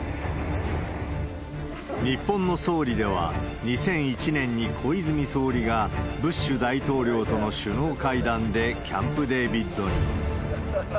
日本の総理では、２００１年に小泉総理がブッシュ大統領との首脳会談でキャンプ・デービッドに。